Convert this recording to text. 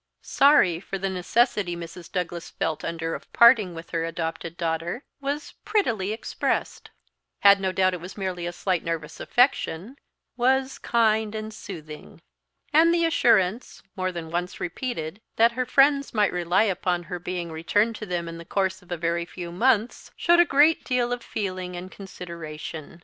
Sorry for the necessity Mrs. Douglas felt under of parting with her adopted daughter, was "prettily expressed;" had no doubt it was merely a slight nervous affection, "was kind and soothing;" and the assurance, more than once repeated, that her friends might rely upon her being returned to them in the course of a very few months, "showed a great deal of feeling and consideration."